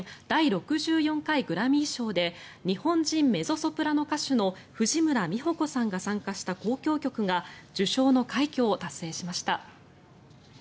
第６４回グラミー賞で日本人メゾソプラノ歌手の藤村実穂子さんが参加した交響曲が受賞の快挙を達成しました。